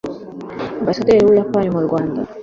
Ambasaderi w’u Buyapani mu Rwanda